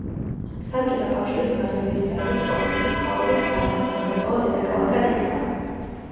საბჭოთა კავშირის მმართველი წრეების პოლიტიკის წყალობით ბაქო სამრეწველო დედაქალაქად იქცა.